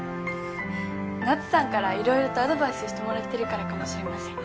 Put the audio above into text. ナツさんからいろいろとアドバイスしてもらってるからかもしれません。